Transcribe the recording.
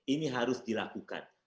ini harus dilakukan